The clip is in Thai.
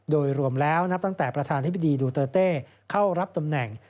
โดยรวมแล้วนับตั้งแต่ประธานธิบดีดูเตอร์เต้เข้ารับตำแหน่ง